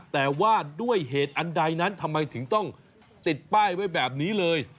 แต่ว่าด้วยเหตุอันใดนั้นทำไมถึงต้องติดป้ายไว้แบบนี้เลย